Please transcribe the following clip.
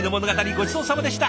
ごちそうさまでした。